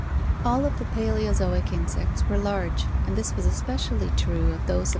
All of the Paleozoic insects were large, and this was es pecially true of those of the fig.